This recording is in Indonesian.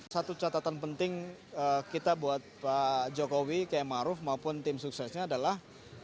satu catatan penting kita buat pak jokowi km maruf maupun tim suksesnya adalah